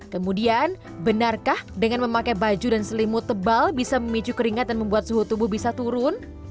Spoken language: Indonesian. kemudian benarkah dengan memakai baju dan selimut tebal bisa memicu keringat dan membuat suhu tubuh bisa turun